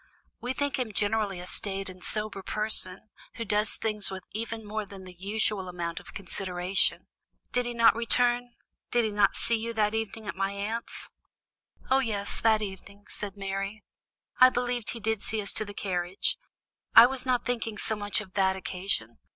We think him generally a staid and sober person, who does things with even more than the usual amount of consideration. Did he not return did you not see him that evening at my aunt's?" "Oh, yes, that evening," said Mary. "I believe he did see us to the carriage; I was not thinking so much of that occasion.